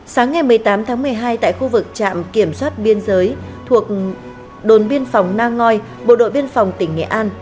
sáng ngày một mươi tám tháng một mươi hai tại khu vực trạm kiểm soát biên giới thuộc đồn biên phòng nang ngoi bộ đội biên phòng tỉnh nghệ an